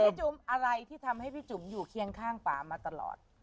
จุ๋มอะไรที่ทำให้พี่จุ๋มอยู่เคียงข้างป่ามาตลอด